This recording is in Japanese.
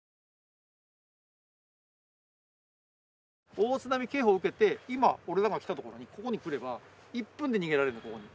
大津波警報受けて今俺らが来た所にここに来れば１分で逃げられたここに。